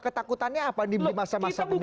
ketakutannya apa di masa masa pemilu kali ini